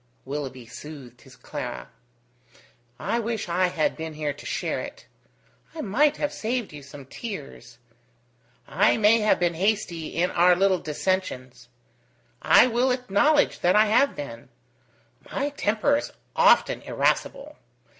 Willoughby soothed his Clara. "I wish I had been here to share it. I might have saved you some tears. I may have been hasty in our little dissensions. I will acknowledge that I have been. My temper is often irascible."